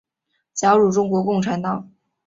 加入中国共产党。